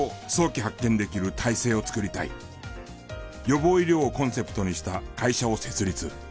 予防医療をコンセプトにした会社を設立。